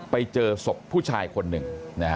ไปเจอศพผู้ชายคนหนึ่ง